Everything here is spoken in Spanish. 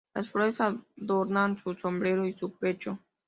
Las flores adornan su sombrero y su pecho.